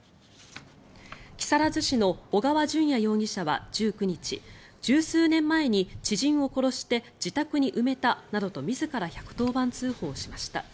木更津市の小川順也容疑者は１９日１０数年前に知人を殺して自宅に埋めたなどと自ら１１０番通報しました。